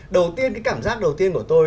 đầu tiên cái cảm giác đầu tiên của tôi